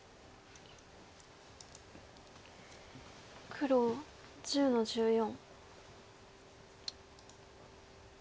黒１０の十四。